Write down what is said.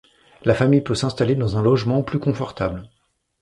La famille peut s'installer dans un logement plus confortable.